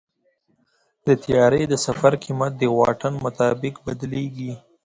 د طیارې د سفر قیمت د واټن مطابق بدلېږي.